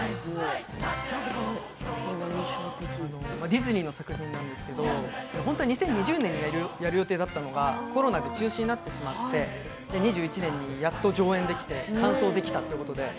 ディズニーの作品なんですけれど本当は２０２０年にやるつもりだったんですがコロナで中止になってしまってやっと去年、上演できて完走できました。